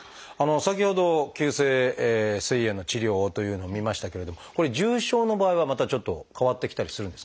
先ほど急性すい炎の治療というのを見ましたけれどもこれ重症の場合はまたちょっと変わってきたりするんですか？